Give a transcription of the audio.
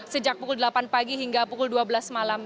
sejak pukul delapan pagi hingga pukul dua belas malam